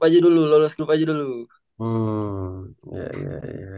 pulses pun dari nama wordpress fairpet voting kita itu mungkin kayak kalau kamu